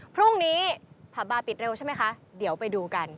พรุ่งนี้ผับบาร์ปิดเร็วใช่ไหมคะเดี๋ยวไปดูกัน